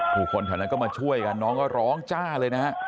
บุคคลเท่านั้นมาช่วยกันร้องจ้าเลยนะครับ